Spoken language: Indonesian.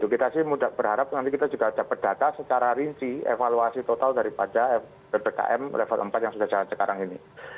kita sih mudah berharap nanti kita juga dapat data secara rinci evaluasi total daripada ppkm level empat yang sudah jalan sekarang ini